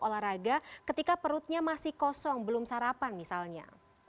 olahraga ketika perutnya masih kosong belum sarapan misalnya